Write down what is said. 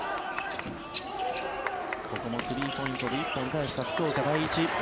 ここもスリーポイントで１本返した福岡第一。